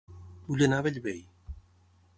Vull anar a Bellvei